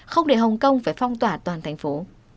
không để hồng kông phải phong tỏa toàn thành phố